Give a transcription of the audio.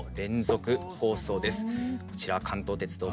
こちら関東鉄道